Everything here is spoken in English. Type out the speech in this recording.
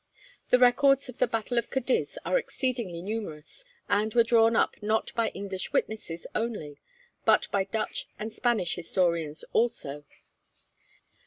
The records of the battle of Cadiz are exceedingly numerous, and were drawn up not by English witnesses only, but by Dutch and Spanish historians also.